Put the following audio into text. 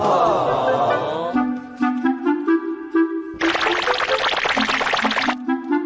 สวัสดีครับสวัสดีค่ะ